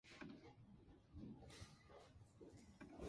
The latter has been a kingdom on two occasions.